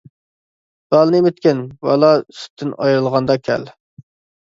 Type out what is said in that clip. بالىنى ئېمىتكىن، بالا سۈتتىن ئايرىلغاندا كەل!